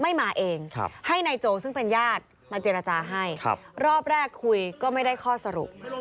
ไม่มาเองให้นายโจซึ่งเป็นญาติมาเจรจาให้รอบแรกคุยก็ไม่ได้ข้อสรุป